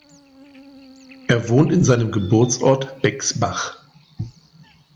Er wohnt in seinem Geburtsort Bexbach.